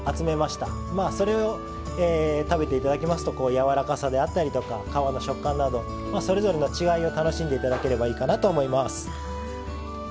それを食べて頂きますとやわらかさであったり皮の食感などそれぞれの違いを楽しんで頂ければいいかなと思います。